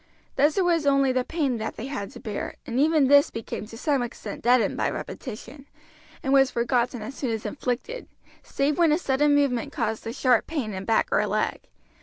Thus it was only the pain that they had to bear, and even this became to some extent deadened by repetition, and was forgotten as soon as inflicted, save when a sudden movement caused a sharp pain in back or leg.